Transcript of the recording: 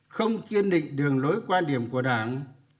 không kiên định đường lối quan điểm của đảng